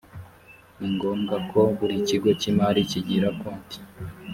ningombwa ko buri kigo cy imari kigira konti